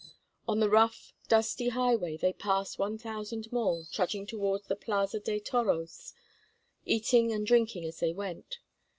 On the rough, dusty highway they passed 1000 more trudging towards the Plaza de Toros, eating and drinking as they went.